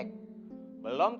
belom tender pembangunan masjid